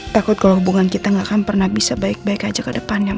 takut kalau hubungan kita gak akan pernah bisa baik baik aja ke depannya